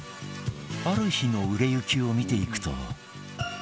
ある日の売れ行きを見ていくと